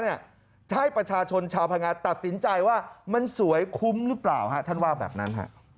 ให้ประชาชนชาวพังงาตัดสินใจว่ามันสวยคุ้มหรือเปล่าท่านว่าแบบนั้น